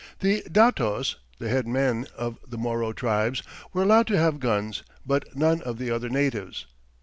The datos, the head men of the Moro tribes, were allowed to have guns, but none of the other natives.